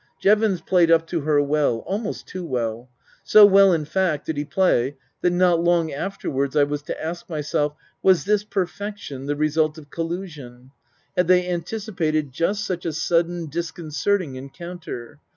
Jevons played up to her well, almost too well ; so well, in fact, did he play, that not long after wards I was to ask myself : Was this perfection the result of collusion ? Had they anticipated just such a sudden, disconcerting encounter